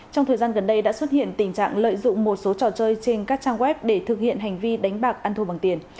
trong thời gian gần đây đã xuất hiện tình trạng lợi dụng một số trò chơi trên các trang web để thực hiện hành vi đánh bạc ăn thua bằng tiền